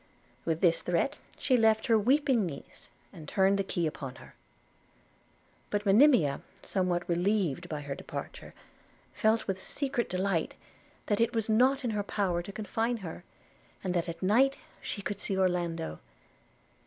With this threat she left her weeping niece, and turned the key upon her: but Monimia, somewhat relieved by her departure, felt with secret delight that it was not in her power to confine her – and that at night she could see Orlando.